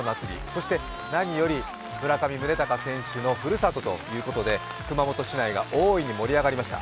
そして何より村上宗隆選手のふるさとということで熊本市内が大いに盛り上がりました。